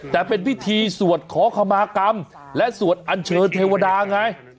แต่เป็นพิธีสวดขอขมากรรมและสวดอัญเชิญเทวดาไง